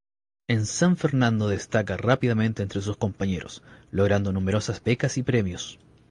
En San Fernando destaca rápidamente entre sus compañeros, logrando numerosas becas y premios.